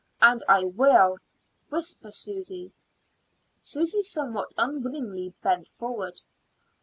And I will Whisper, Susy!" Susy somewhat unwillingly bent forward.